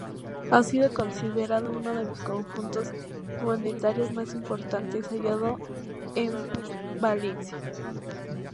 Ha sido considerado uno de los conjuntos monetarios más importantes hallados en Valencia.